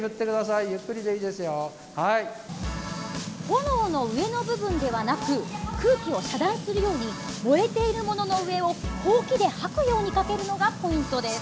炎の上の部分ではなく空気を遮断するように燃えているものの上をほうきで掃くようにかけるのがポイントです。